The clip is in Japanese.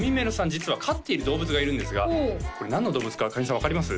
実は飼っている動物がいるんですがこれ何の動物かかりんさん分かります？